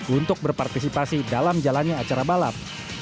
untuk berpartisipasi dalam jalannya acara balap